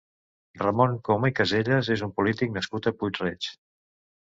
Ramon Coma i Casellas és un polític nascut a Puig-reig.